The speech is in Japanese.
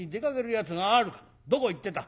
どこ行ってた？」。